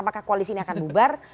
apakah koalisi ini akan bubar